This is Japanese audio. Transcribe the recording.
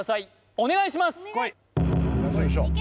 お願いします